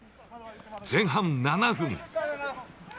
前半７分。